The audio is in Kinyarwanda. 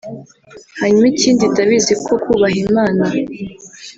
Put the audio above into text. hanyuma ikindi ndabizi ko bubaha Imana